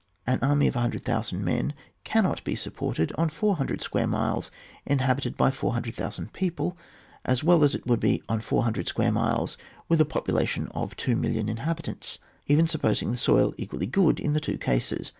An army of 100,000 men cannot be sup ported on four hundred square miles inhabited by 400,000 people, as well as it would be on four hundred square miles with a population of 2,000.000 inha bitants, even supposing the soil equally good in the two cases.